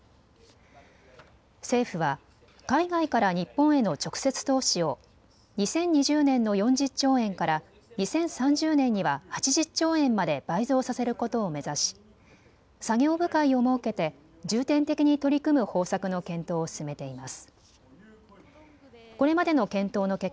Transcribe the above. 政府は海外から日本への直接投資を２０２０年の４０兆円から２０３０年には８０兆円まで倍増させることを目指し、作業部会を設けて重点的に取り組む方策の検討を進めています。